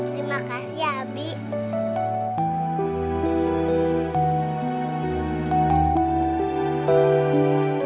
terima kasih ya abi